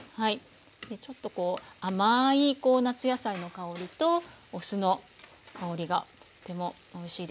ちょっとこう甘い夏野菜の香りとお酢の香りがとってもおいしいですよね。